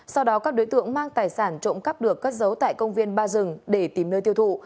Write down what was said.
sau đó các đối tượng mang tài sản trộm cắp được cất giấu tại công viên ba rừng để tìm nơi tiêu thụ